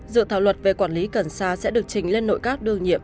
dự thảo luật về quản lý cần xa sẽ được chỉnh lên nội các đương nhiệm